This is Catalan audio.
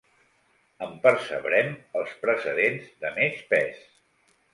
En percebrem els precedents de més pes.